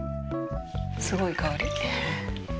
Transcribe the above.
すごい香り。